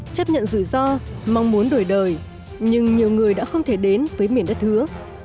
chấp nhận rủi ro mong muốn đổi đời nhưng nhiều người đã không thể đến với miền đất hứa